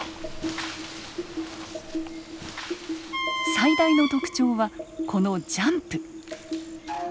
最大の特徴はこのジャンプ。